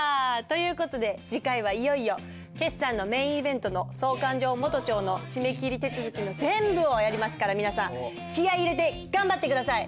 という事で次回はいよいよ決算のメインイベントの総勘定元帳の締め切り手続きの全部をやりますから皆さん気合い入れて頑張って下さい！